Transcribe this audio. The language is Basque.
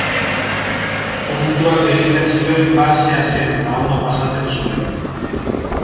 Puntuak egiten zituen basea zen eta ondo pasatzen zuen.